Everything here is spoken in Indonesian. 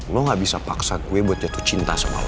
lo gak bisa paksa gue buat jatuh cinta sama lo